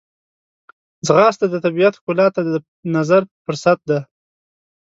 ځغاسته د طبیعت ښکلا ته د نظر فرصت دی